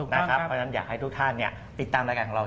เพราะฉะนั้นอยากให้ทุกท่านติดตามรายการของเรา